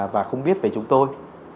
và không biết về chúng tôi